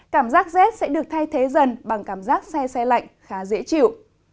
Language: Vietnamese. cảm giác rét sẽ được thay thế dần bằng cảm giác xe xe lạnh khá dễ chịu